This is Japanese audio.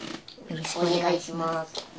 よろしくお願いします